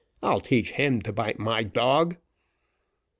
I'll teach him to bite my dog."